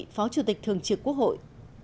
phó chủ tịch thường trưởng quốc hội